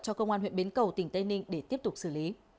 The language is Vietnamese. cho công an huyện bến cầu tỉnh tây ninh để tiếp tục xử lý